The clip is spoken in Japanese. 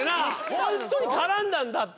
本当に絡んだんだって！